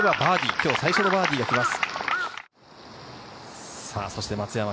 今日最初のバーディーがきます。